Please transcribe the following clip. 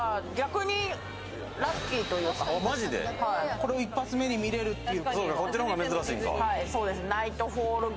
これを１発目に見れるっていう。